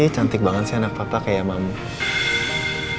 cantik banget sih anak papa kayak mama